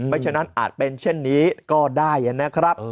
ฉะนั้นอาจเป็นเช่นนี้ก็ได้นะครับ